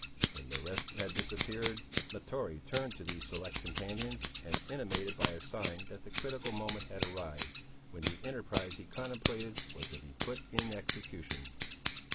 When the rest had disappeared, Mahtoree turned to these select companions, and intimated by a sign that the critical moment had arrived, when the enterprise he contemplated was to be put in execution.